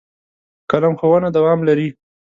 په قلم ښوونه دوام لري.